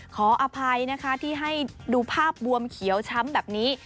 ขออภัยนะคะที่ให้ดูภาพบวมเขียวช้ำแบบนี้